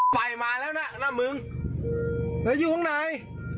ไฟมาแล้วนะนะมึงแล้วอยู่ข้องไหน